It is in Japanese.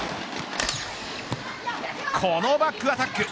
このバックアタック。